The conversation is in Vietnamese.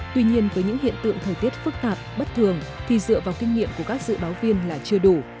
tuy nhiên với những hiện tượng thời tiết phức tạp bất thường thì dựa vào kinh nghiệm của các dự báo viên là chưa đủ